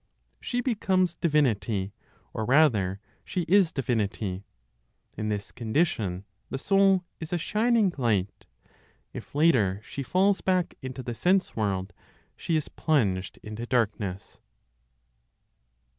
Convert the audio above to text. She becomes divinity, or, rather, she is divinity. In this condition, the soul is a shining light. If later she falls back into the sense world, she is plunged into darkness.